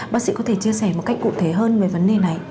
bác sĩ có thể chia sẻ một cách cụ thể hơn về vấn đề này